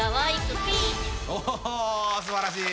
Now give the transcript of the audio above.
おおすばらしい。